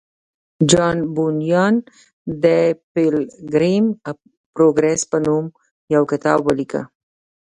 جان بونیان د پیلګریم پروګریس په نوم یو کتاب ولیکه